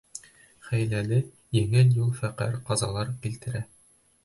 Хәйләле, еңел юл фәҡәт ҡазалар килтерә.